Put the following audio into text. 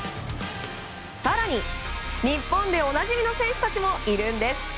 更に、日本でおなじみの選手たちもいるんです。